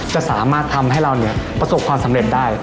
จะสามารถทำให้เราประสบความสำเร็จได้